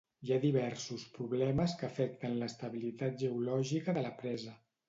Hi ha diversos problemes que afecten l'estabilitat geològica de la presa.